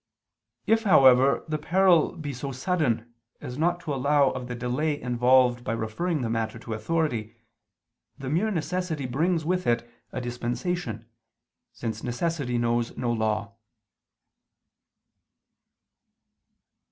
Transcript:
If, however, the peril be so sudden as not to allow of the delay involved by referring the matter to authority, the mere necessity brings with it a dispensation, since necessity knows no law.